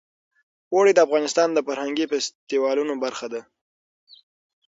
اوړي د افغانستان د فرهنګي فستیوالونو برخه ده.